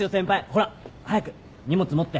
ほら早く荷物持って。